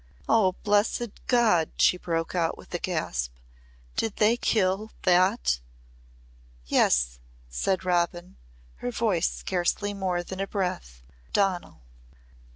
"Oh! blessed God!" she broke out with a gasp. "Did they kill that!" "Yes," said Robin, her voice scarcely more than a breath, "Donal."